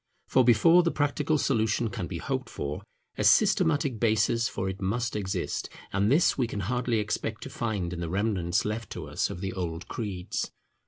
For before the practical solution can be hoped for, a systematic basis for it must exist: and this we can hardly expect to find in the remnants left to us of the old creeds.